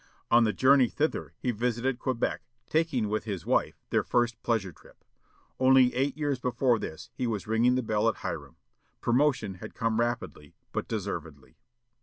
On the journey thither, he visited Quebec, taking with his wife their first pleasure trip. Only eight years before this he was ringing the bell at Hiram. Promotion had come rapidly, but deservedly.